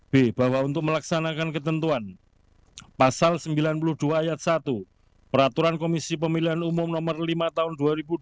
b bahwa untuk melaksanakan ketentuan pasal sembilan puluh dua ayat satu peraturan komisi pemilihan umum no lima tahun dua ribu dua puluh